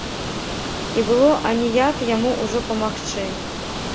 І было аніяк яму ўжо памагчы.